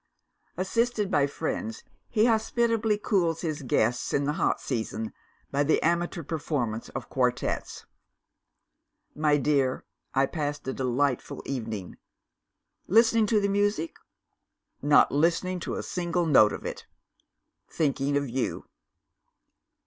Assisted by friends, he hospitably cools his guests, in the hot season, by the amateur performance of quartets. My dear, I passed a delightful evening. Listening to the music? Not listening to a single note of it. Thinking of You.